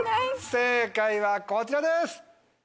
正解はこちらです！